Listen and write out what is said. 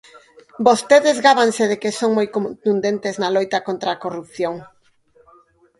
Vostedes gábanse de que son moi contundentes na loita contra a corrupción.